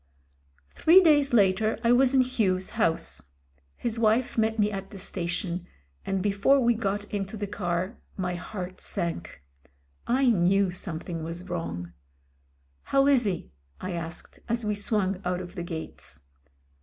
••••• Three days later I was in Hugh's house. His wife met me at the station, and before we got into the car my heart sank. I knew something was wrong. "How is he ?" I asked, as we swung out of the gates.